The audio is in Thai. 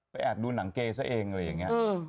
ไปดูหนังเกย์ซะเองหรออย่างเงี่ย